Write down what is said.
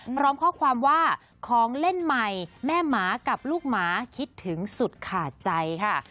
พร้อมข้อความว่าของเล่นใหม่แม่หมากับลูกหมาคิดถึงสุดขาดใจค่ะ